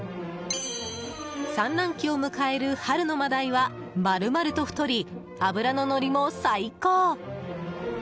産卵期を迎える春のマダイは丸々と太り、脂ののりも最高。